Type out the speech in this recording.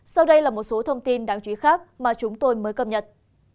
sau đây là một số thông tin đáng chú ý khác mà chúng tôi mới cập nhật